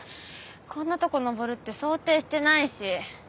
こんなとこ登るって想定してないし。